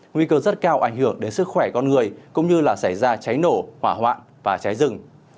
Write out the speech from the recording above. nguy cơ rất cao ảnh hưởng đến sức khỏe con người cũng như là xảy ra cháy nổ hỏa hoạn và cháy rừng